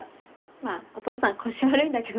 まあお父さん腰悪いんだけどね。